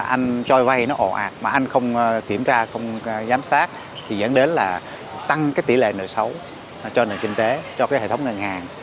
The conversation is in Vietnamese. anh cho vay nó ồ ạt mà anh không kiểm tra không giám sát thì dẫn đến là tăng cái tỷ lệ nợ xấu cho nền kinh tế cho cái hệ thống ngân hàng